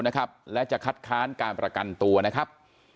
นะครับและจะคัดค้านการประกันตัวนะครับ